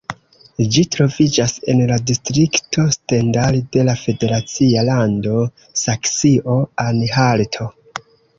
Ĝi troviĝas en la distrikto Stendal de la federacia lando Saksio-Anhalto.